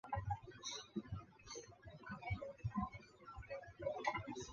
圣多明戈斯杜普拉塔是巴西米纳斯吉拉斯州的一个市镇。